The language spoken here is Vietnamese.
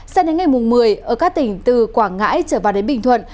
sao đến ngày mùng một mươi ở các tỉnh từ quảng ngãi trở vào đến bình thuận